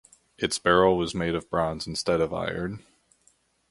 Its barrel was made of bronze instead of iron.